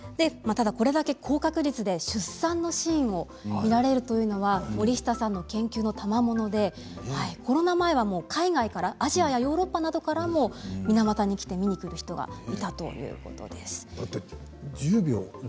これだけ高確率で出産のシーンを見られるというのは森下さんの研究のたまものでコロナ前は海外から、アジアやヨーロッパなどからも水俣に来る人もいたということです。